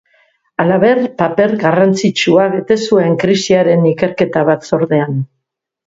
Halaber, paper garrantzitsua bete zuen krisiaren ikerketa batzordean.